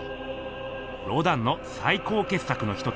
ロダンのさい高けっ作の一つ